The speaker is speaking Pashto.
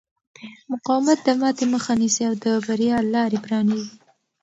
مقاومت د ماتې مخه نیسي او د بریا لارې پرانیزي.